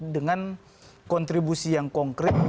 dengan kontribusi yang konkret